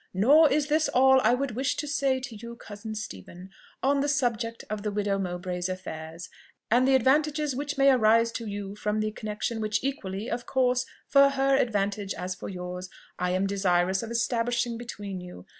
] "Nor is this all I would wish to say to you, cousin Stephen, on the subject of the widow Mowbray's affairs, and the advantages which may arise to you from the connexion which equally, of course, for her advantage as for yours, I am desirous of establishing between you.